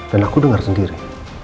dan aku dengar sendiri